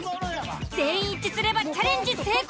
全員一致すればチャレンジ成功。